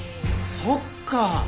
そっか！